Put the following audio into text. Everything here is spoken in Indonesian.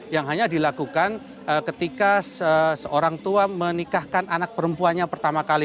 yang hanya dilakukan ketika seorang tua menikahkan anak perempuannya pertama kali